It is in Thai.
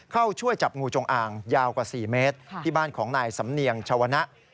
เข้าช่วยจับงูจงอ่างยาวกว่า๔เมตรที่บ้านของนายสำเนียงชาวนะ